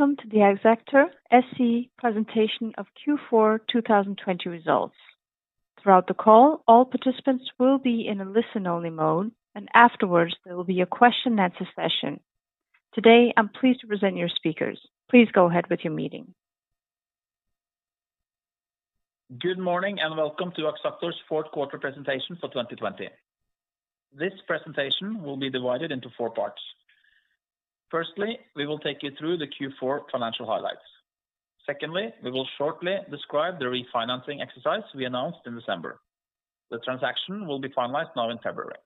Welcome to the Axactor SE presentation of Q4 2020 results. Throughout the call, all participants will be in a listen-only mode, and afterwards, there will be a question and answer session. Today, I'm pleased to present your speakers. Please go ahead with your meeting. Good morning, and welcome to Axactor's fourth quarter presentation for 2020. This presentation will be divided into four parts. Firstly, we will take you through the Q4 financial highlights. Secondly, we will shortly describe the refinancing exercise we announced in December. The transaction will be finalized now in February.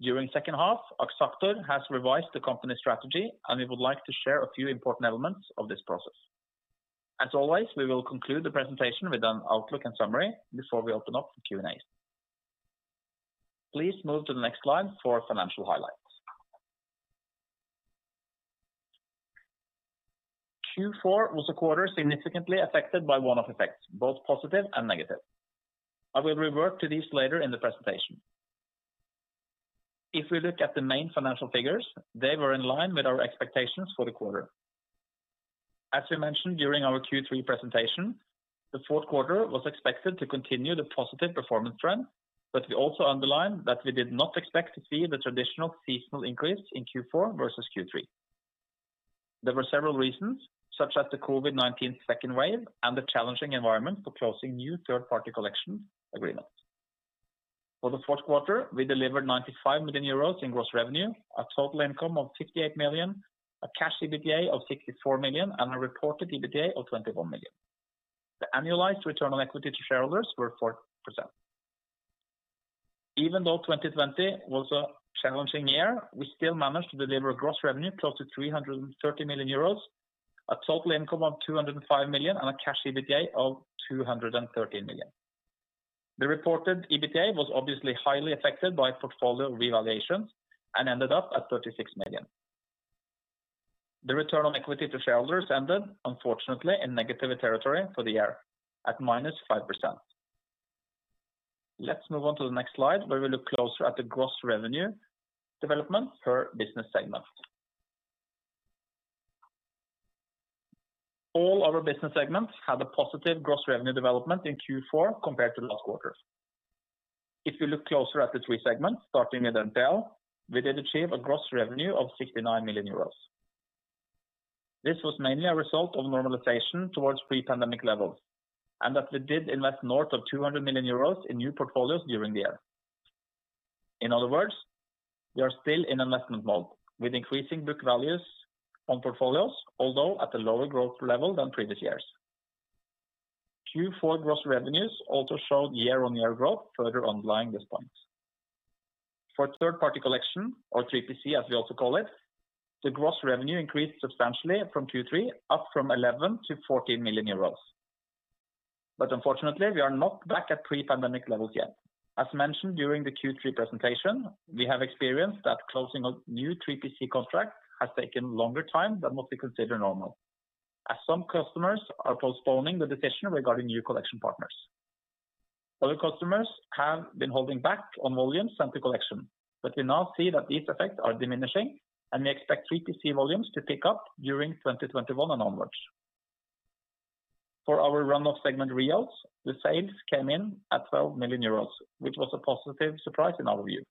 During second half, Axactor has revised the company strategy, and we would like to share a few important elements of this process. As always, we will conclude the presentation with an outlook and summary before we open up for Q&A. Please move to the next slide for financial highlights. Q4 was a quarter significantly affected by one-off effects, both positive and negative. I will revert to these later in the presentation. If we look at the main financial figures, they were in line with our expectations for the quarter. As we mentioned during our Q3 presentation, the fourth quarter was expected to continue the positive performance trend, but we also underlined that we did not expect to see the traditional seasonal increase in Q4 versus Q3. There were several reasons, such as the COVID-19 second wave and the challenging environment for closing new third-party collection agreements. For the fourth quarter, we delivered 95 million euros in gross revenue, a total income of 58 million, a cash EBITDA of 64 million, and a reported EBITDA of 21 million. The annualized return on equity to shareholders were 4%. Even though 2020 was a challenging year, we still managed to deliver gross revenue close to 330 million euros, a total income of 205 million, and a cash EBITDA of 213 million. The reported EBITDA was obviously highly affected by portfolio revaluations and ended up at 36 million. The return on equity to shareholders ended, unfortunately, in negative territory for the year at -5%. Let's move on to the next slide, where we look closer at the gross revenue development per business segment. All our business segments had a positive gross revenue development in Q4 compared to last quarter. If you look closer at the three segments, starting with NPL, we did achieve a gross revenue of 69 million euros. This was mainly a result of normalization towards pre-pandemic levels, and that we did invest north of 200 million euros in new portfolios during the year. In other words, we are still in investment mode with increasing book values on portfolios, although at a lower growth level than previous years. Q4 gross revenues also showed year-on-year growth further underlying this point. For third-party collection, or 3PC as we also call it, the gross revenue increased substantially from Q3 up from 11 million to 14 million euros. Unfortunately, we are not back at pre-pandemic levels yet. As mentioned during the Q3 presentation, we have experienced that closing a new 3PC contract has taken longer time than what we consider normal, as some customers are postponing the decision regarding new collection partners. Other customers have been holding back on volumes sent to collection, but we now see that these effects are diminishing, and we expect 3PC volumes to pick up during 2021 and onwards. For our runoff segment, REOs, the sales came in at 12 million euros, which was a positive surprise in our view.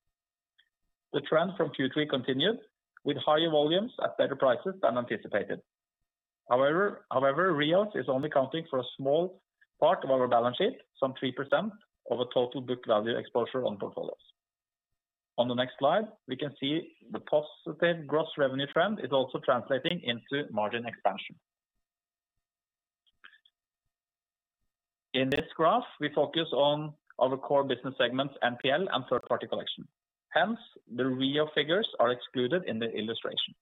The trend from Q3 continued with higher volumes at better prices than anticipated. REOs is only accounting for a small part of our balance sheet, some 3% of a total book value exposure on portfolios. On the next slide, we can see the positive gross revenue trend is also translating into margin expansion. In this graph, we focus on our core business segments, NPL and third-party collection. The REOs figures are excluded in the illustration.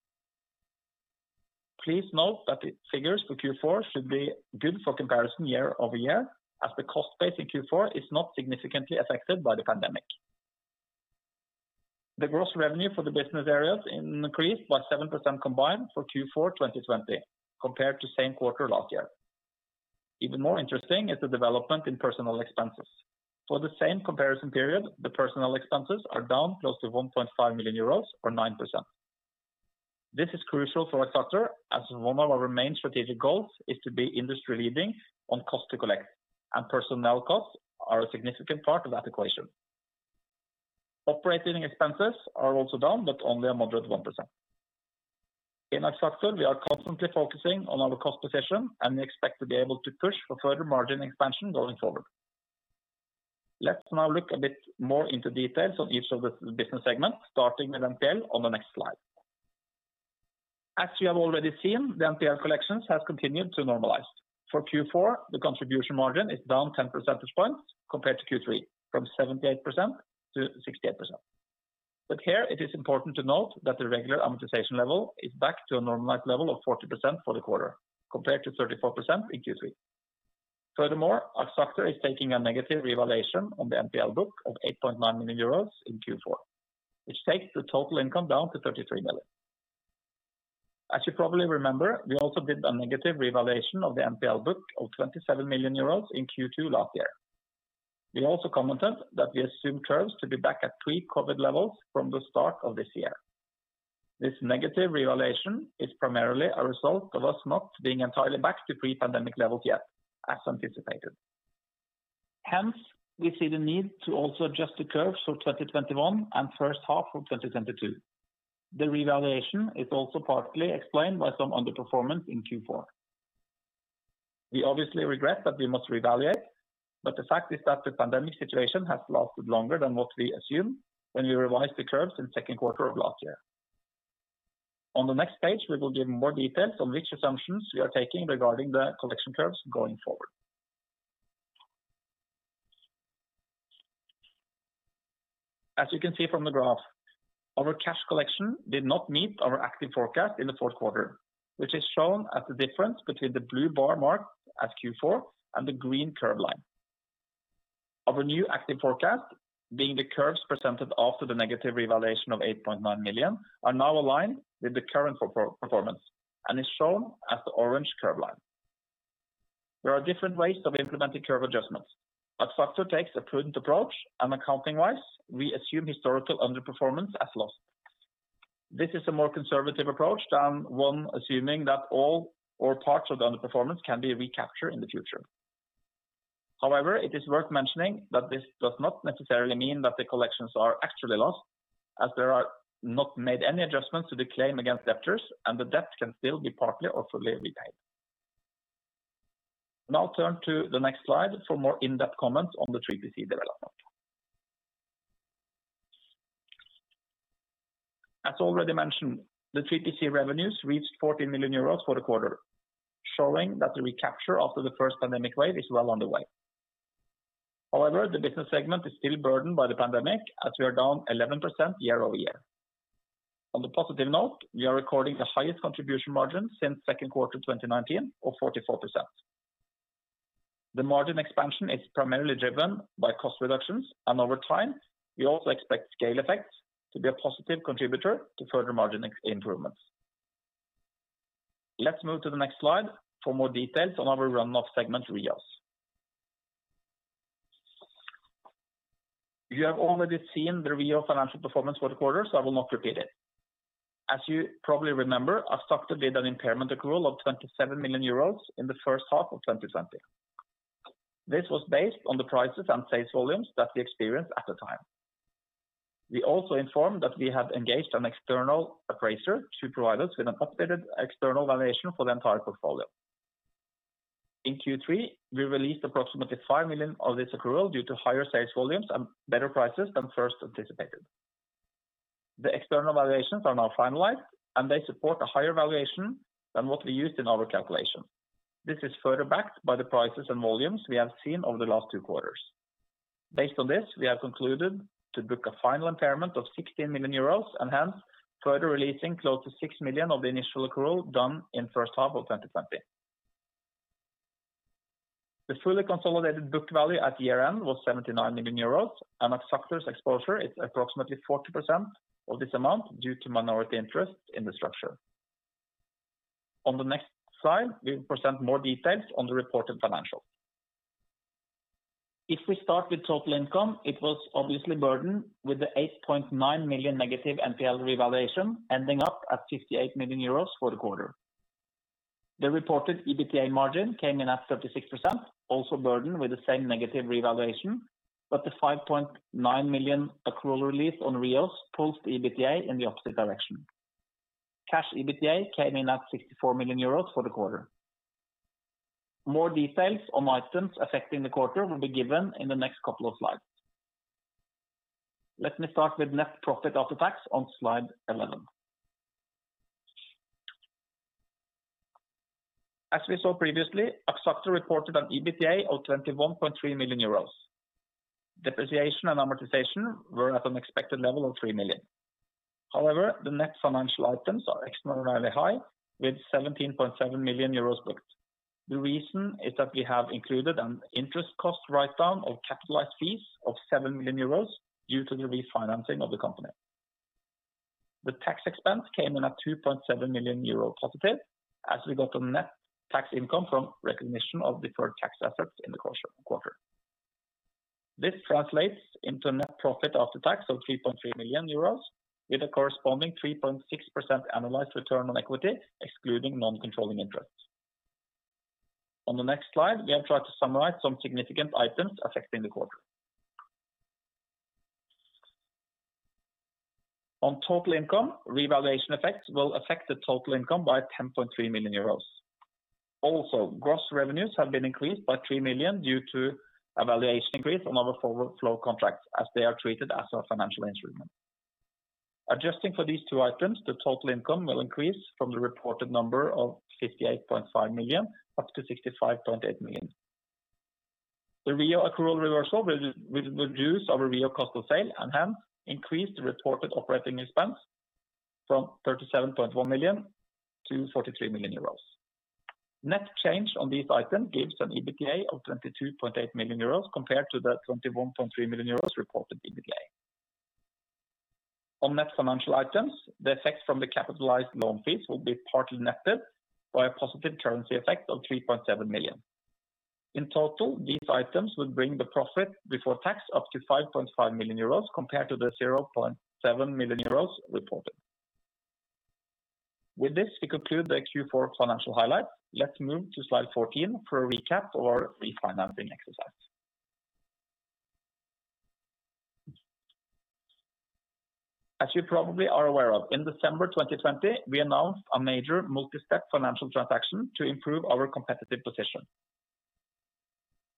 Please note that the figures for Q4 should be good for comparison year-over-year as the cost base in Q4 is not significantly affected by the pandemic. The gross revenue for the business areas increased by 7% combined for Q4 2020 compared to same quarter last year. Even more interesting is the development in personnel expenses. For the same comparison period, the personnel expenses are down close to 1.5 million euros or 9%. This is crucial for Axactor as one of our main strategic goals is to be industry leading on cost to collect. Personnel costs are a significant part of that equation. Operating expenses are also down but only a moderate 1%. In Axactor, we are constantly focusing on our cost position. We expect to be able to push for further margin expansion going forward. Let's now look a bit more into details on each of the business segments, starting with NPL on the next slide. As you have already seen, the NPL collections has continued to normalize. For Q4, the contribution margin is down 10 percentage points compared to Q3, from 78% to 68%. Here it is important to note that the regular amortization level is back to a normalized level of 40% for the quarter, compared to 34% in Q3. Furthermore, Axactor is taking a negative revaluation on the NPL book of 8.9 million euros in Q4, which takes the total income down to 33 million. As you probably remember, we also did a negative revaluation of the NPL book of 27 million euros in Q2 last year. We also commented that we assume curves to be back at pre-COVID levels from the start of this year. This negative revaluation is primarily a result of us not being entirely back to pre-pandemic levels yet, as anticipated. Hence, we see the need to also adjust the curves for 2021 and first half of 2022. The revaluation is also partly explained by some underperformance in Q4. We obviously regret that we must revaluate, but the fact is that the pandemic situation has lasted longer than what we assumed when we revised the curves in second quarter of last year. On the next page, we will give more details on which assumptions we are taking regarding the collection curves going forward. As you can see from the graph, our cash collection did not meet our active forecast in the fourth quarter, which is shown as the difference between the blue bar marked as Q4 and the green curve line. Our new active forecast, being the curves presented after the negative revaluation of 8.9 million, are now aligned with the current performance and is shown as the orange curve line. There are different ways of implementing curve adjustments, but Axactor takes a prudent approach, and accounting-wise, we assume historical underperformance as loss. This is a more conservative approach than one assuming that all or parts of the underperformance can be recaptured in the future. It is worth mentioning that this does not necessarily mean that the collections are actually lost, as there are not made any adjustments to the claim against debtors, and the debt can still be partly or fully repaid. Turn to the next slide for more in-depth comments on the 3PC development. Already mentioned, the 3PC revenues reached 14 million euros for the quarter, showing that the recapture after the first pandemic wave is well underway. The business segment is still burdened by the pandemic, as we are down 11% year-over-year. The positive note, we are recording the highest contribution margin since second quarter 2019 of 44%. The margin expansion is primarily driven by cost reductions, and over time, we also expect scale effects to be a positive contributor to further margin improvements. Let's move to the next slide for more details on our run-off segment, REOs. You have already seen the REO financial performance for the quarter, I will not repeat it. As you probably remember, Axactor did an impairment accrual of 27 million euros in the first half of 2020. This was based on the prices and sales volumes that we experienced at the time. We also informed that we have engaged an external appraiser to provide us with an updated external valuation for the entire portfolio. In Q3, we released approximately 5 million of this accrual due to higher sales volumes and better prices than first anticipated. The external valuations are now finalized, they support a higher valuation than what we used in our calculation. This is further backed by the prices and volumes we have seen over the last two quarters. Based on this, we have concluded to book a final impairment of 16 million euros and hence further releasing close to 6 million of the initial accrual done in first half of 2020. The fully consolidated book value at year-end was 79 million euros, and Axactor's exposure is approximately 40% of this amount due to minority interest in the structure. On the next slide, we present more details on the reported financials. If we start with total income, it was obviously burdened with the 8.9 million negative NPL revaluation ending up at 58 million euros for the quarter. The reported EBITDA margin came in at 36%, also burdened with the same negative revaluation. The 5.9 million accrual release on REOs pulls the EBITDA in the opposite direction. Cash EBITDA came in at 64 million euros for the quarter. More details on items affecting the quarter will be given in the next couple of slides. Let me start with net profit after tax on slide 11. As we saw previously, Axactor reported an EBITDA of 21.3 million euros. Depreciation and amortization were at an expected level of 3 million. The net financial items are extraordinarily high, with 17.7 million euros booked. The reason is that we have included an interest cost write-down of capitalized fees of 7 million euros due to the refinancing of the company. The tax expense came in at 2.7 million euro positive as we got a net tax income from recognition of deferred tax assets in the quarter. This translates into a net profit after tax of 3.3 million euros with a corresponding 3.6% annualized return on equity, excluding non-controlling interest. On the next slide, we have tried to summarize some significant items affecting the quarter. On total income, revaluation effects will affect the total income by 10.3 million euros. Also, gross revenues have been increased by 3 million due to a valuation increase on our forward flow contracts, as they are treated as a financial instrument. Adjusting for these two items, the total income will increase from the reported number of 58.5 million up to 65.8 million. The REO accrual reversal will reduce our REO cost of sale, and hence, increase the reported operating expense from 37.1 million to 43 million euros. Net change on this item gives an EBITDA of 22.8 million euros compared to the 21.3 million euros reported EBITDA. On net financial items, the effects from the capitalized loan fees will be partly netted by a positive currency effect of 3.7 million. In total, these items would bring the profit before tax up to 5.5 million euros compared to the 0.7 million euros reported. With this, we conclude the Q4 financial highlights. Let's move to slide 14 for a recap of our refinancing exercise. As you probably are aware of, in December 2020, we announced a major multi-step financial transaction to improve our competitive position.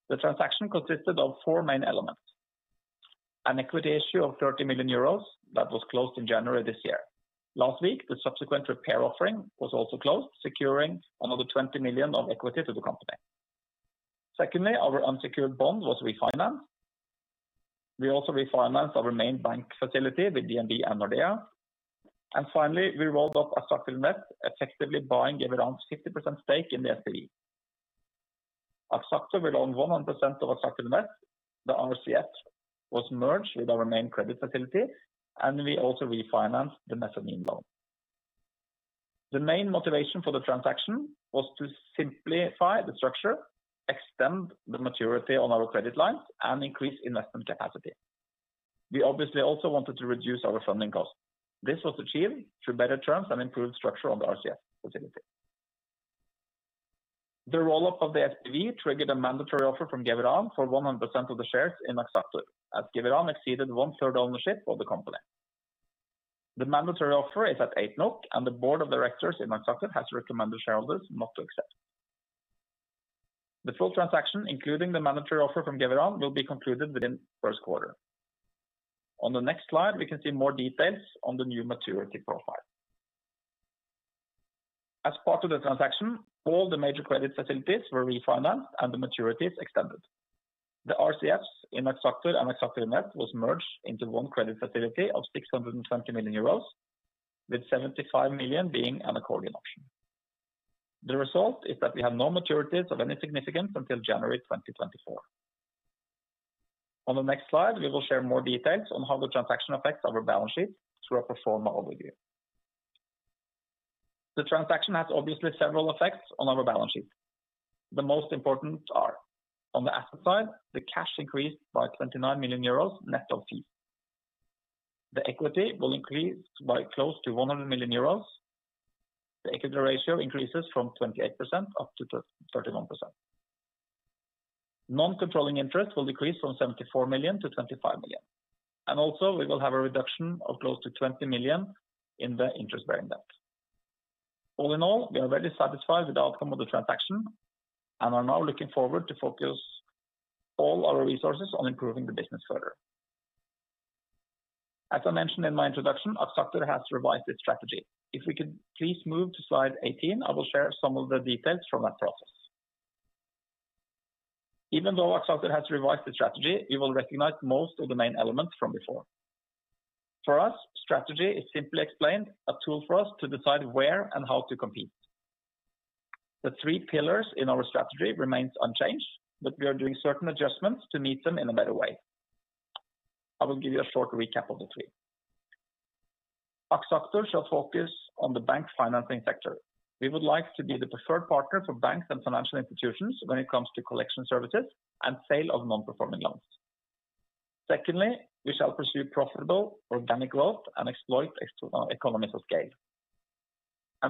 The transaction consisted of four main elements. An equity issue of 30 million euros that was closed in January this year. Last week, the subsequent repair offering was also closed, securing another 20 million of equity to the company. Our unsecured bond was refinanced. We also refinanced our main bank facility with DNB and Nordea. Finally, we rolled up Axactor Invest, effectively buying around 50% stake in the SPE. Axactor will own 100% of Axactor Invest. The RCF was merged with our main credit facility, and we also refinanced the mezzanine loan. The main motivation for the transaction was to simplify the structure, extend the maturity on our credit lines, and increase investment capacity. We obviously also wanted to reduce our funding cost. This was achieved through better terms and improved structure on the RCF facility. The roll-up of the SPE triggered a mandatory offer from Geveran for 100% of the shares in Axactor, as Geveran exceeded one-third ownership of the company. The mandatory offer is at 8 NOK, and the board of directors in Axactor has recommended shareholders not to accept. The full transaction, including the mandatory offer from Geveran, will be concluded within the first quarter. On the next slide, we can see more details on the new maturity profile. As part of the transaction, all the major credit facilities were refinanced, and the maturities extended. The RCFs in Axactor and Axactor Invest was merged into one credit facility of 620 million euros, with 75 million being an accordion option. The result is that we have no maturities of any significance until January 2024. On the next slide, we will share more details on how the transaction affects our balance sheet through a pro forma overview. The transaction has obviously several effects on our balance sheet. The most important are, on the asset side, the cash increased by 29 million euros net of fees. The equity will increase by close to 100 million euros. The equity ratio increases from 28% up to 31%. Non-controlling interest will decrease from 74 million to 25 million. Also, we will have a reduction of close to 20 million in the interest-bearing debt. All in all, we are very satisfied with the outcome of the transaction and are now looking forward to focus all our resources on improving the business further. As I mentioned in my introduction, Axactor has revised its strategy. If we could please move to slide 18, I will share some of the details from that process. Even though Axactor has revised the strategy, you will recognize most of the main elements from before. For us, strategy is simply explained, a tool for us to decide where and how to compete. The three pillars in our strategy remains unchanged, but we are doing certain adjustments to meet them in a better way. I will give you a short recap of the three. Axactor shall focus on the bank financing sector. We would like to be the preferred partner for banks and financial institutions when it comes to collection services and sale of non-performing loans. Secondly, we shall pursue profitable organic growth and exploit economies of scale.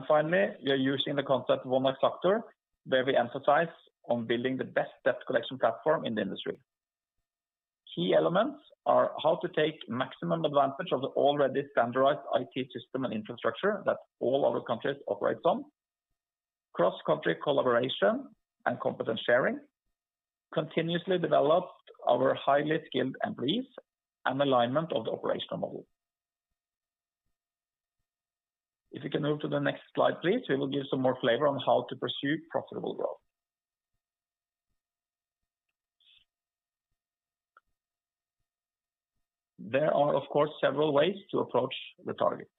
Finally, we are using the concept OneAxactor, where we emphasize on building the best debt collection platform in the industry. Key elements are how to take maximum advantage of the already standardized IT system and infrastructure that all our countries operate on, cross-country collaboration and competence sharing, continuously develop our highly skilled employees, and alignment of the operational model. If you can move to the next slide, please, we will give some more flavor on how to pursue profitable growth. There are, of course, several ways to approach the target.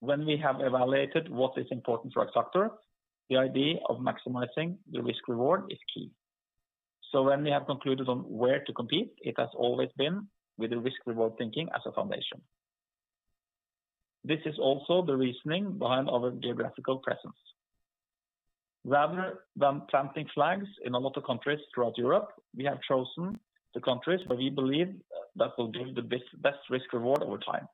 When we have evaluated what is important for Axactor, the idea of maximizing the risk-reward is key. When we have concluded on where to compete, it has always been with the risk reward thinking as a foundation. This is also the reasoning behind our geographical presence. Rather than planting flags in a lot of countries throughout Europe, we have chosen the countries where we believe that will give the best risk reward over time.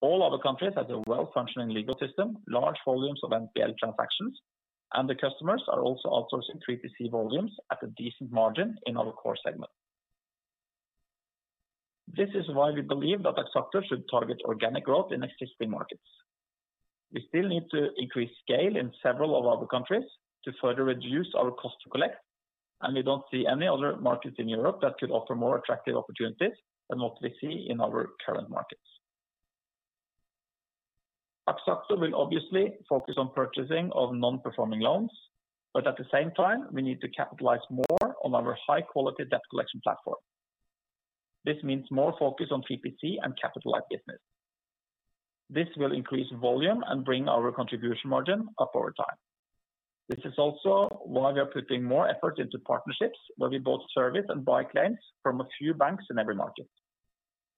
All our countries has a well-functioning legal system, large volumes of NPL transactions, and the customers are also outsourcing 3PC volumes at a decent margin in our core segment. This is why we believe that Axactor should target organic growth in existing markets. We still need to increase scale in several of our countries to further reduce our cost to collect, and we don't see any other markets in Europe that could offer more attractive opportunities than what we see in our current markets. Axactor will obviously focus on purchasing of non-performing loans, at the same time, we need to capitalize more on our high-quality debt collection platform. This means more focus on 3PC and capitalized business. This will increase volume and bring our contribution margin up over time. This is also why we are putting more effort into partnerships where we both service and buy claims from a few banks in every market.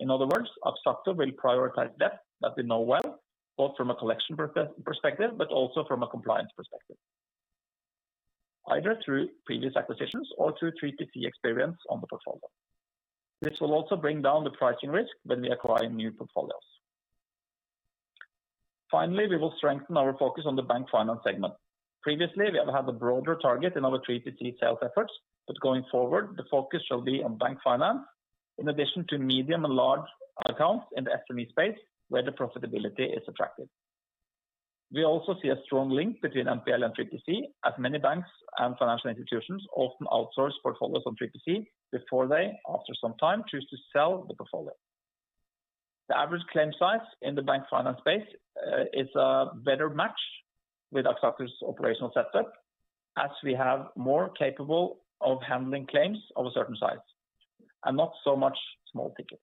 In other words, Axactor will prioritize debt that we know well, both from a collection perspective, also from a compliance perspective, either through previous acquisitions or through 3PC experience on the portfolio. This will also bring down the pricing risk when we acquire new portfolios. Finally, we will strengthen our focus on the bank finance segment. Previously, we have had a broader target in our 3PC sales efforts, but going forward, the focus shall be on bank finance in addition to medium and large accounts in the SME space where the profitability is attractive. We also see a strong link between NPL and 3PC as many banks and financial institutions often outsource portfolios on 3PC before they, after some time, choose to sell the portfolio. The average claim size in the bank finance space is a better match with Axactor's operational setup as we are more capable of handling claims of a certain size and not so much small tickets.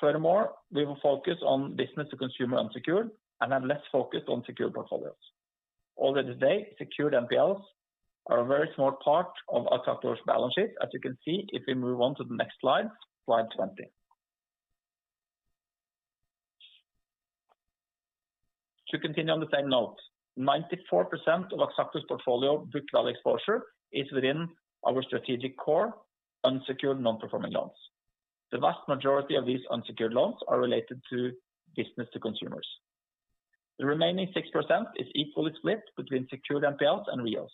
Furthermore, we will focus on business to consumer unsecured and have less focus on secured portfolios. Already today, secured NPLs are a very small part of Axactor's balance sheet, as you can see if we move on to the next slide 20. To continue on the same note, 94% of Axactor's portfolio book value exposure is within our strategic core, unsecured non-performing loans. The vast majority of these unsecured loans are related to business to consumers. The remaining 6% is equally split between secured NPLs and REOs.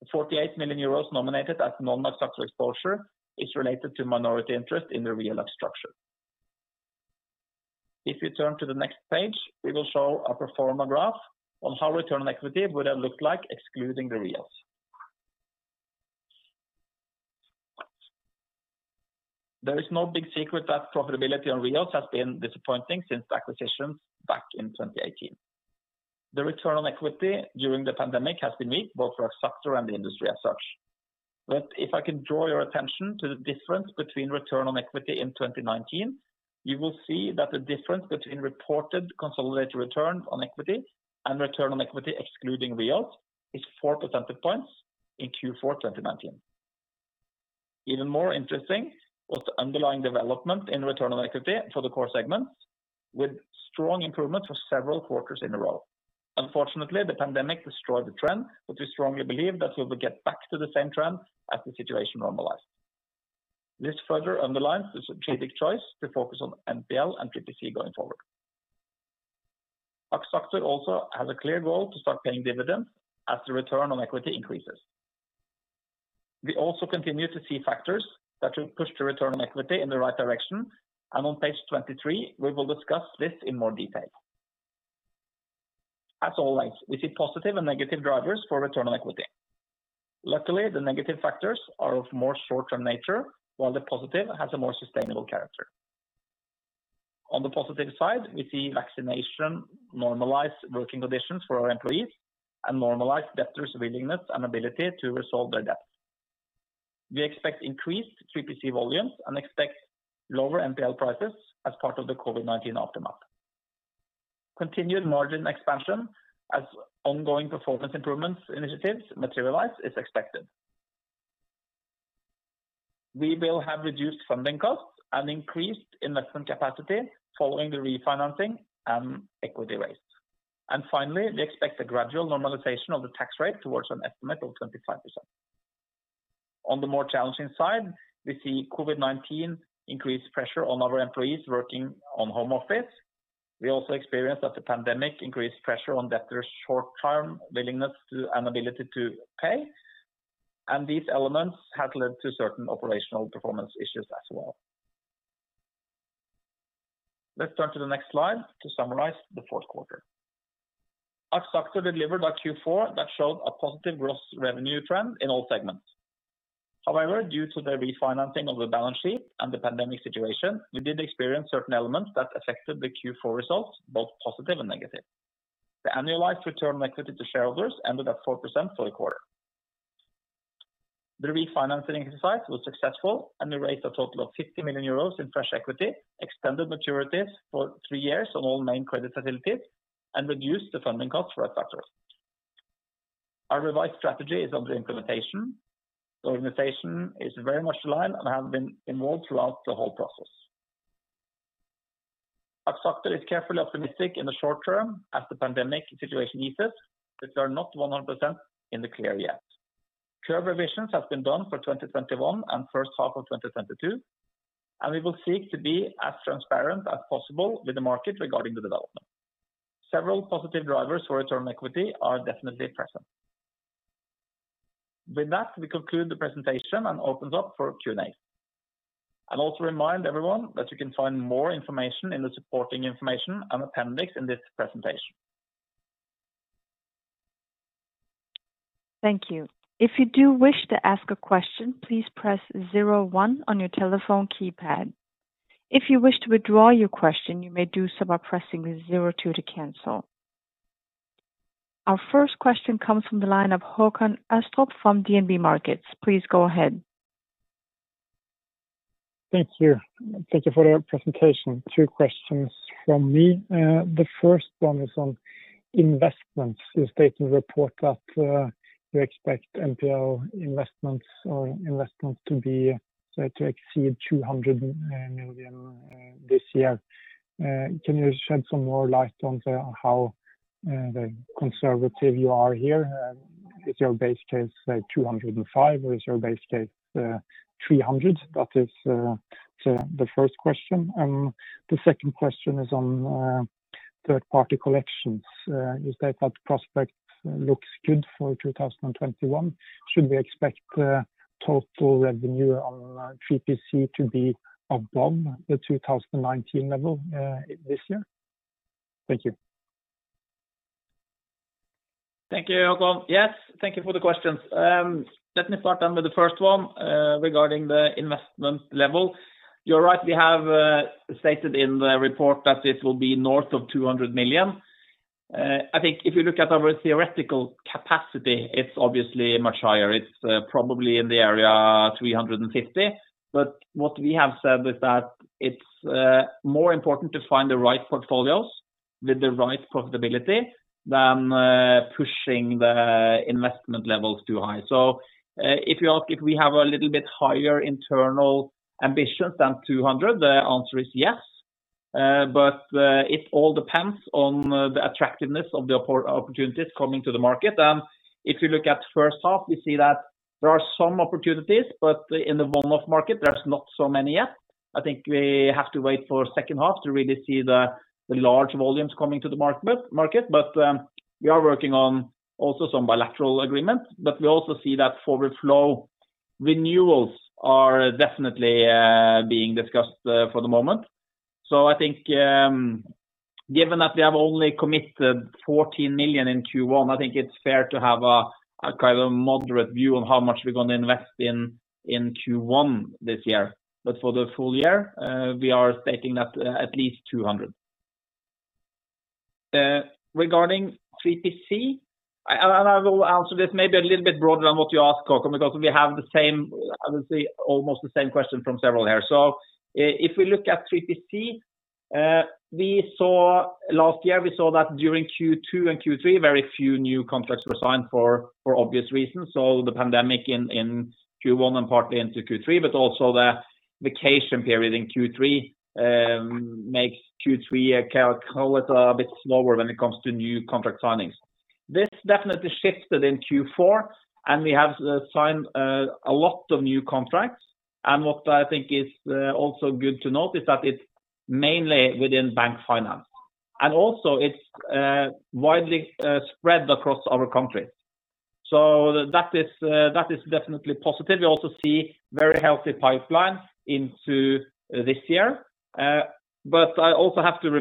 The 48 million euros nominated as non-Axactor exposure is related to minority interest in the REO structure. If you turn to the next page, we will show a pro forma graph on how return on equity would have looked like excluding the REOs. There is no big secret that profitability on REOs has been disappointing since acquisitions back in 2018. The return on equity during the pandemic has been weak both for Axactor and the industry as such. If I can draw your attention to the difference between return on equity in 2019, you will see that the difference between reported consolidated return on equity and return on equity excluding REOs is four percentage points in Q4 2019. Even more interesting was the underlying development in return on equity for the core segments, with strong improvements for several quarters in a row. Unfortunately, the pandemic destroyed the trend, but we strongly believe that we will get back to the same trend as the situation normalizes. This further underlines the strategic choice to focus on NPL and 3PC going forward. Axactor also has a clear goal to start paying dividends as the return on equity increases. We also continue to see factors that will push the return on equity in the right direction, and on page 23, we will discuss this in more detail. As always, we see positive and negative drivers for return on equity. Luckily, the negative factors are of more short-term nature, while the positive has a more sustainable character. On the positive side, we see vaccination normalize working conditions for our employees and normalize debtors' willingness and ability to resolve their debt. We expect increased 3PC volumes and expect lower NPL prices as part of the COVID-19 aftermath. Continued margin expansion as ongoing performance improvement initiatives materialize is expected. We will have reduced funding costs and increased investment capacity following the refinancing and equity raise. Finally, we expect a gradual normalization of the tax rate towards an estimate of 25%. On the more challenging side, we see COVID-19 increase pressure on our employees working on home office. We also experience that the pandemic increased pressure on debtors' short-term willingness and ability to pay, and these elements have led to certain operational performance issues as well. Let's turn to the next slide to summarize the fourth quarter. Axactor delivered a Q4 that showed a positive gross revenue trend in all segments. However, due to the refinancing of the balance sheet and the pandemic situation, we did experience certain elements that affected the Q4 results, both positive and negative. The annualized return on equity to shareholders ended at 4% for the quarter. The refinancing exercise was successful, and we raised a total of 50 million euros in fresh equity, extended maturities for three years on all main credit facilities, and reduced the funding cost for Axactor. Our revised strategy is under implementation. The organization is very much aligned and has been involved throughout the whole process. Axactor is carefully optimistic in the short term as the pandemic situation eases, but we are not 100% in the clear yet. Curve revisions have been done for 2021 and first half of 2022, and we will seek to be as transparent as possible with the market regarding the development. Several positive drivers for return on equity are definitely present. With that, we conclude the presentation and open it up for Q&A, and also remind everyone that you can find more information in the supporting information and appendix in this presentation. Thank you. If you do wish to ask a question, please press zero one on your telephone keypad. If your wish to withdraw your question, you may do so by pressing zero two to cancel. Our first question comes from the line of Håkon Astrup from DNB Markets. Please go ahead. Thank you. Thank you for the presentation. Two questions from me. The first one is on investments. You stated in the report that you expect NPL investments to exceed 200 million this year. Can you shed some more light on how conservative you are here? Is your base case 205 million or is your base case 300 million? That is the first question. The second question is on third-party collections. You state that the prospect looks good for 2021. Should we expect total revenue on 3PC to be above the 2019 level this year? Thank you. Thank you, Håkon. Yes, thank you for the questions. Let me start with the first one regarding the investment level. You are right, we have stated in the report that it will be north of 200 million. I think if you look at our theoretical capacity, it's obviously much higher. It's probably in the area 350 million. What we have said is that it's more important to find the right portfolios with the right profitability than pushing the investment levels too high. If you ask if we have a little bit higher internal ambitions than 200 million, the answer is yes. It all depends on the attractiveness of the opportunities coming to the market. If you look at the first half, we see that there are some opportunities, but in the one-off market, there's not so many yet. I think we have to wait for the second half to really see the large volumes coming to the market. We are working on also some bilateral agreements. We also see that forward flow renewals are definitely being discussed for the moment. I think given that we have only committed 14 million in Q1, I think it's fair to have a moderate view on how much we're going to invest in Q1 this year. For the full year, we are stating that at least EUR 200 million. Regarding 3PC, I will answer this maybe a little bit broader than what you asked, Håkon, because we have almost the same question from several here. If we look at 3PC, last year, we saw that during Q2 and Q3, very few new contracts were signed for obvious reasons. The pandemic in Q1 and partly into Q3, but also the vacation period in Q3 makes Q3 a little bit slower when it comes to new contract signings. This definitely shifted in Q4. We have signed a lot of new contracts. What I think is also good to note is that it's mainly within bank finance, and also it's widely spread across our countries. That is definitely positive. We also see very healthy pipelines into this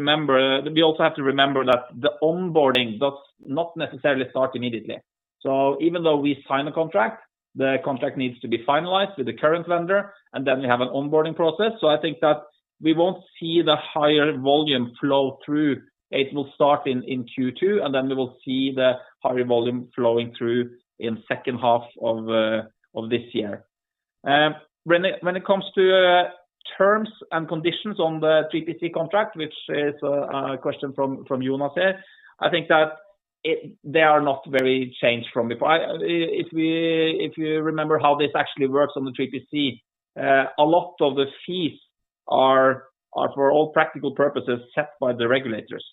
year. We also have to remember that the onboarding does not necessarily start immediately. Even though we sign a contract, the contract needs to be finalized with the current lender, and then we have an onboarding process. I think that we won't see the higher volume flow through. It will start in Q2, and then we will see the higher volume flowing through in the second half of this year. When it comes to terms and conditions on the 3PC contract, which is a question from Jonas here, I think that they are not very changed from before. If you remember how this actually works on the 3PC, a lot of the fees are, for all practical purposes, set by the regulators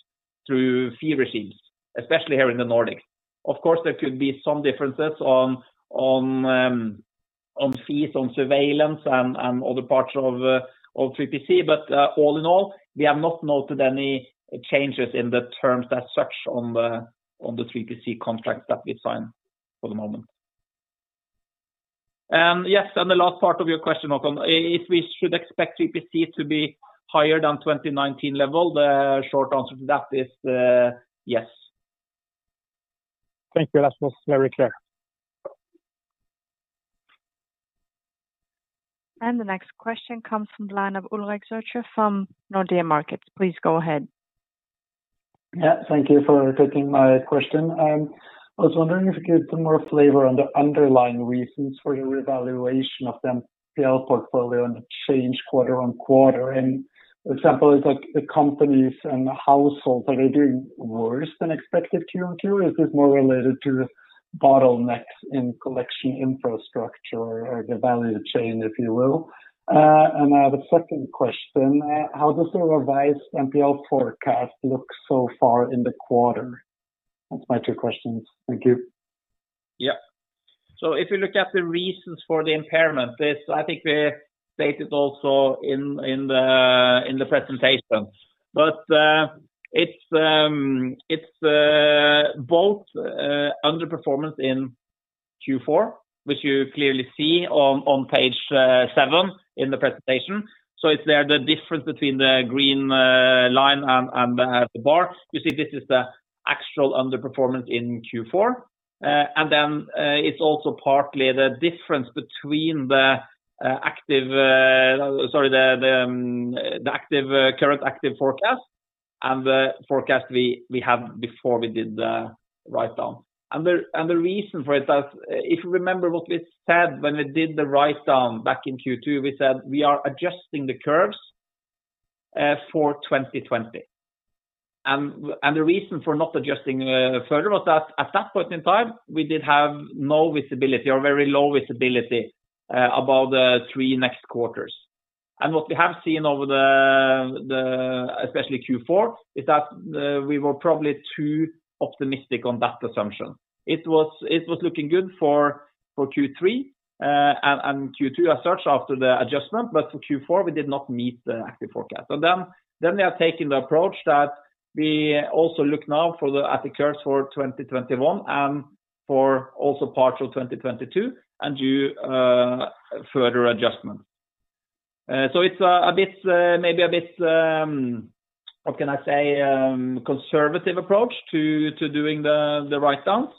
through fee regimes, especially here in the Nordics. Of course, there could be some differences on fees, on surveillance, and other parts of 3PC. All in all, we have not noted any changes in the terms as such on the 3PC contracts that we sign for the moment. Yes, on the last part of your question, Håkon, if we should expect 3PC to be higher than 2019 level, the short answer to that is yes. Thank you. That was very clear. The next question comes from the line of Ulrik Zürcher from Nordea Markets. Please go ahead. Thank you for taking my question. I was wondering if you could put more flavor on the underlying reasons for your revaluation of the NPL portfolio and the change quarter-on-quarter. For example, is it the companies and the households, are they doing worse than expected QoQ? Is this more related to bottlenecks in collection infrastructure or the value chain, if you will? I have a second question. How does the revised NPL forecast look so far in the quarter? That's my two questions. Thank you. Yeah. If you look at the reasons for the impairment, I think we stated also in the presentation. It is both underperformance in Q4, which you clearly see on page seven in the presentation. It is there, the difference between the green line and the bar. You see this is the actual underperformance in Q4. Then it is also partly the difference between the current active forecast and the forecast we had before we did the write down. The reason for it is, if you remember what we said when we did the write down back in Q2, we said we are adjusting the curves for 2020. The reason for not adjusting further was that at that point in time, we did have no visibility or very low visibility about the three next quarters. What we have seen over especially Q4 is that we were probably too optimistic on that assumption. It was looking good for Q3 and Q2 as such after the adjustment. For Q4, we did not meet the active forecast. We are taking the approach that we also look now for the active curves for 2021 and for also parts of 2022 and do further adjustments. It's maybe a bit, what can I say, conservative approach to doing the write downs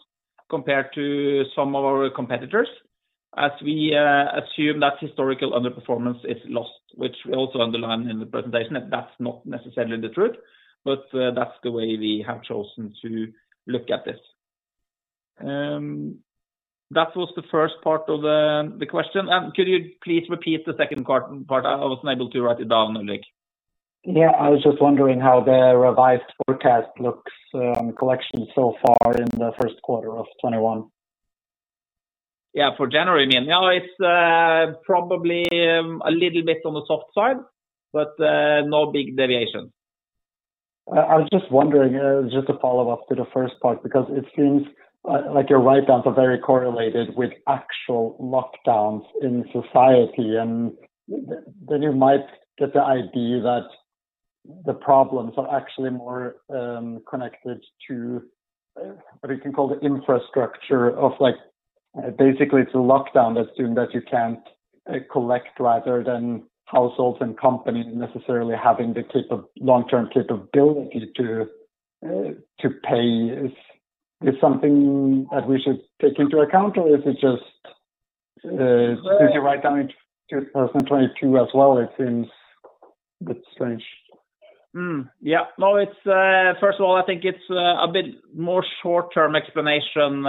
compared to some of our competitors as we assume that historical underperformance is lost, which we also underline in the presentation that's not necessarily the truth. That's the way we have chosen to look at this. That was the first part of the question. Could you please repeat the second part? I wasn't able to write it down, Ulrik. Yeah, I was just wondering how the revised forecast looks on collection so far in the first quarter of 2021. Yeah, for January, you mean? It's probably a little bit on the soft side, but no big deviation. I was just wondering, just to follow up to the first part. It seems like your write downs are very correlated with actual lockdowns in society, and then you might get the idea that the problems are actually more connected to what you can call the infrastructure of basically it's a lockdown as soon as you can't collect rather than households and companies necessarily having the long-term capability to pay. It's something that we should take into account, or is it just since you write down into 2022 as well, it seems a bit strange. Yeah. First of all, I think it's a bit more short-term explanation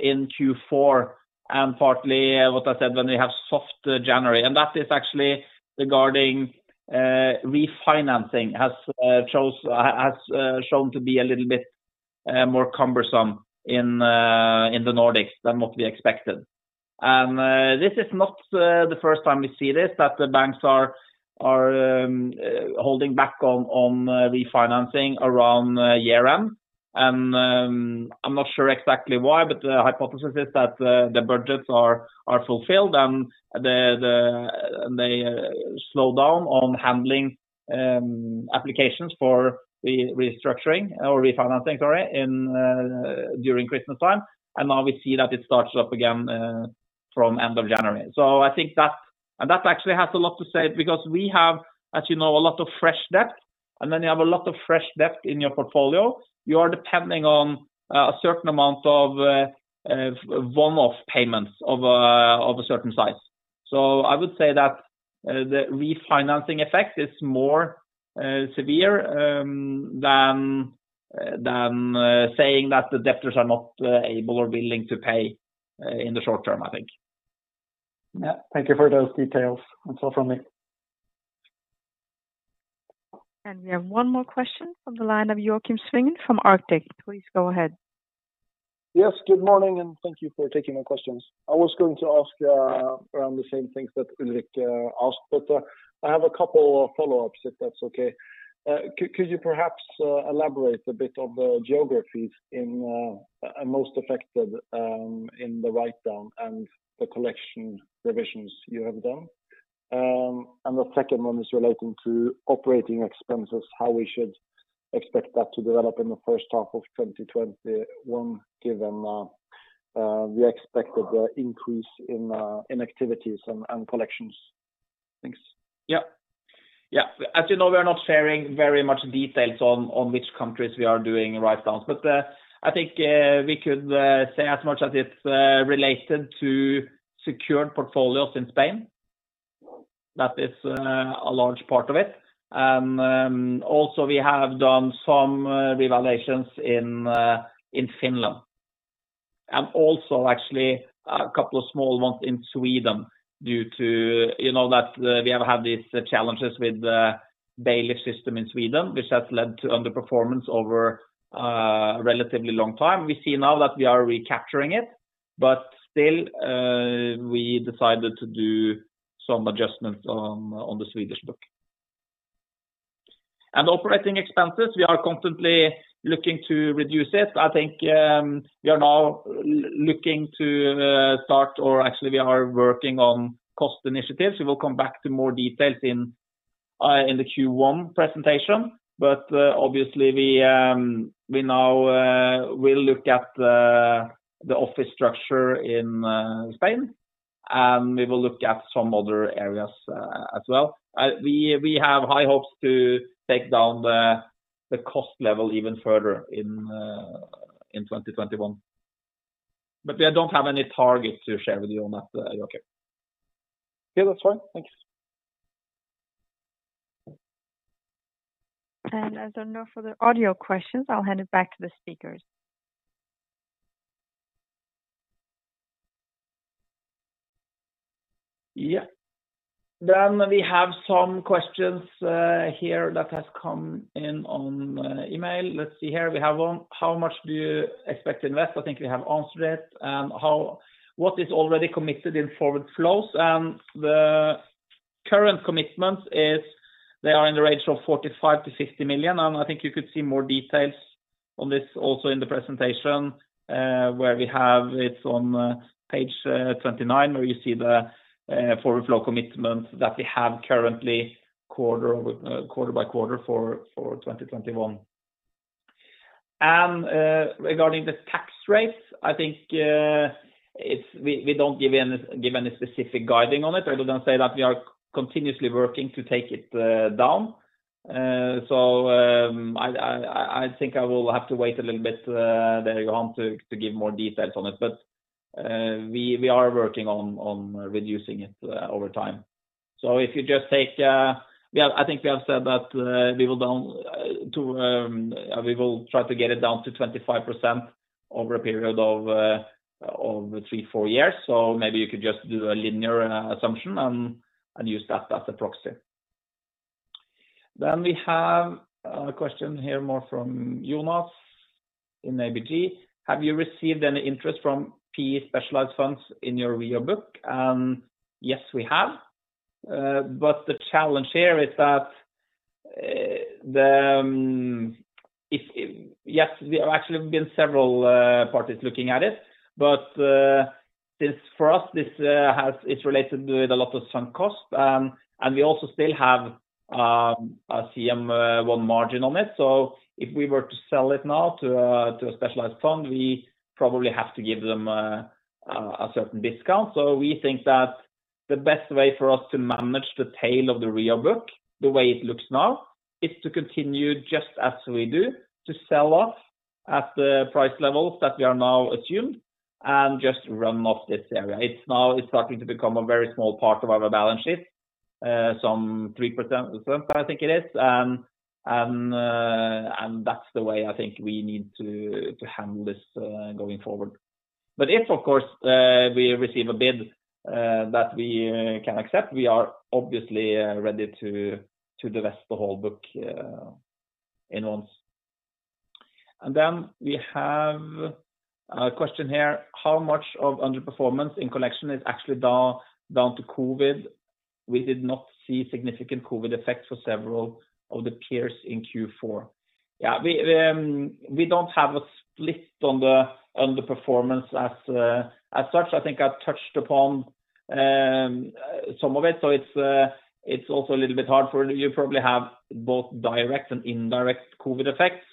in Q4 and partly what I said when we have soft January, and that is actually regarding refinancing has shown to be a little bit more cumbersome in the Nordics than what we expected. This is not the first time we see this, that the banks are holding back on refinancing around year-end. I'm not sure exactly why, but the hypothesis is that the budgets are fulfilled, and they slow down on handling applications for restructuring or refinancing during Christmas time. Now we see that it starts up again from end of January. I think that actually has a lot to say because we have, as you know, a lot of fresh debt, and then you have a lot of fresh debt in your portfolio. You are depending on a certain amount of one-off payments of a certain size. I would say that the refinancing effect is more severe than saying that the debtors are not able or willing to pay in the short term, I think. Yeah. Thank you for those details. That's all from me. We have one more question from the line of Joakim Svingen from Arctic. Please go ahead. Good morning, and thank you for taking the questions. I was going to ask around the same things that Ulrik asked. I have a couple of follow-ups, if that's okay. Could you perhaps elaborate a bit on the geographies most affected in the write-down and the collection revisions you have done? The second one is relating to operating expenses, how we should expect that to develop in the first half of 2021, given the expected increase in activities and collections. Thanks. Yeah. As you know, we are not sharing very much details on which countries we are doing write downs. I think we could say as much as it's related to secured portfolios in Spain. That is a large part of it. Also, we have done some revaluations in Finland. Also actually a couple of small ones in Sweden due to, you know that we have had these challenges with bailiff system in Sweden, which has led to underperformance over a relatively long time. We see now that we are recapturing it, still we decided to do some adjustments on the Swedish book. Operating expenses, we are constantly looking to reduce it. I think we are now looking to start, or actually we are working on cost initiatives. We will come back to more details in the Q1 presentation. Obviously we now will look at the office structure in Spain. We will look at some other areas as well. We have high hopes to take down the cost level even further in 2021. We don't have any targets to share with you on that, Joakim. Yeah, that's fine. Thank you. As there are no further audio questions, I'll hand it back to the speakers. We have some questions here that have come in on email. Let's see here. We have one, "How much do you expect to invest?" I think we have answered it. "What is already committed in forward flows?" The current commitments is they are in the range of 45 million-50 million, and I think you could see more details on this also in the presentation where we have it on page 29, where you see the forward flow commitment that we have currently quarter by quarter for 2021. Regarding the tax rates, I think we don't give any specific guiding on it, other than say that we are continuously working to take it down. I think I will have to wait a little bit there on to give more details on it. We are working on reducing it over time. I think we have said that we will try to get it down to 25% over a period of three, four years. Maybe you could just do a linear assumption and use that as a proxy. We have a question here more from Jonas in ABG. "Have you received any interest from PE specialized funds in your REO book?" Yes, we have. The challenge here is that there have actually been several parties looking at it, but for us, it's related with a lot of sunk costs, and we also still have a CM1 margin on it. If we were to sell it now to a specialized fund, we probably have to give them a certain discount. We think that the best way for us to manage the tail of the REO book, the way it looks now, is to continue just as we do to sell off at the price levels that we are now assumed and just run off this area. It is starting to become a very small part of our balance sheet, some 3%, I think it is. That's the way I think we need to handle this going forward. If, of course, we receive a bid that we can accept, we are obviously ready to divest the whole book at once. Then we have a question here, "How much of underperformance in collection is actually down to COVID? We did not see significant COVID effects for several of the peers in Q4." Yeah, we don't have a split on the underperformance as such. I think I've touched upon some of it. It's also a little bit hard for you probably have both direct and indirect COVID effects.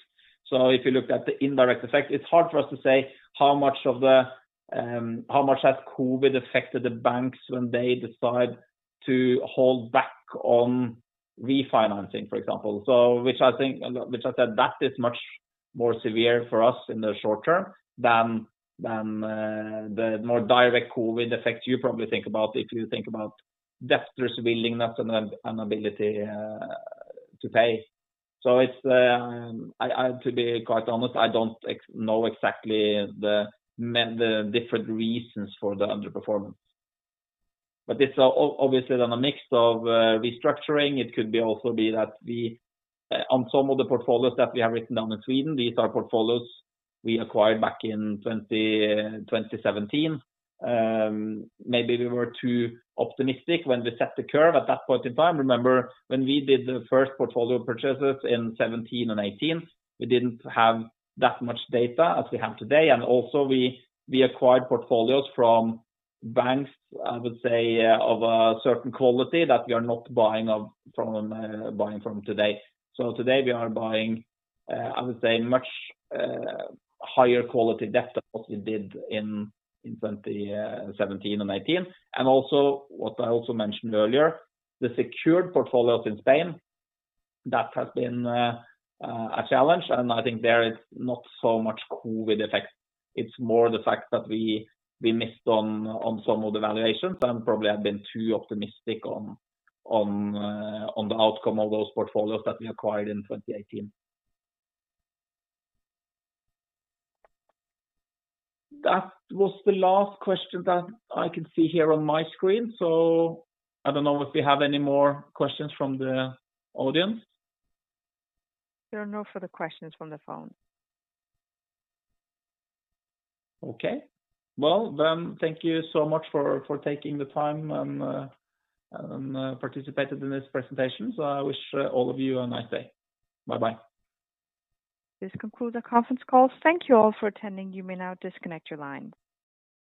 If you looked at the indirect effect, it's hard for us to say how much has COVID affected the banks when they decide to hold back on refinancing, for example. Which I said that is much more severe for us in the short term than the more direct COVID effect you probably think about if you think about debtors' willingness and ability to pay. To be quite honest, I don't know exactly the different reasons for the underperformance. It's obviously on a mix of restructuring. It could also be that on some of the portfolios that we have written down in Sweden, these are portfolios we acquired back in 2017. Maybe we were too optimistic when we set the curve at that point in time. Remember when we did the first portfolio purchases in 2017 and 2018, we didn't have that much data as we have today. We also acquired portfolios from banks, I would say, of a certain quality that we are not buying from today. Today we are buying, I would say, much higher quality debt than we did in 2017 and 2018. What I also mentioned earlier, the secured portfolios in Spain, that has been a challenge, and I think there it's not so much COVID effect. It's more the fact that we missed on some of the valuations and probably have been too optimistic on the outcome of those portfolios that we acquired in 2018. That was the last question that I can see here on my screen. I don't know if we have any more questions from the audience. There are no further questions from the phone. Well, then thank you so much for taking the time and participated in this presentation. I wish all of you a nice day. Bye-bye. This concludes our conference call. Thank you all for attending. You may now disconnect your line.